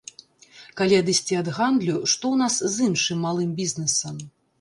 Калі адысці ад гандлю, што ў нас з іншым малым бізнесам?